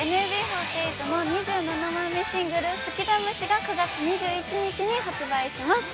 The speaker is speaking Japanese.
◆ＮＭＢ４８の２７枚目シングル「好きだ虫」が９月２１日に発売します。